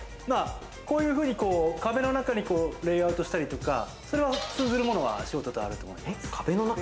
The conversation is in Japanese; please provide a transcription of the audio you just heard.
こういうふうに壁の中にレイアウトしたりとか、それは通ずるものはあると思います。